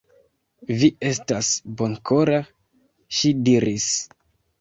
Vi estas bonkora, ŝi diris.